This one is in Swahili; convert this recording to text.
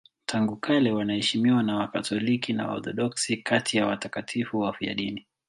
Tangu kale wanaheshimiwa na Wakatoliki na Waorthodoksi kati ya watakatifu wafiadini.